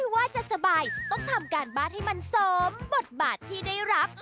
ว่าจะสบายต้องทำการบ้านให้มันสมบทบาทที่ได้รับ